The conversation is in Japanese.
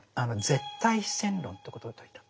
絶対非戦論ってことを説いた。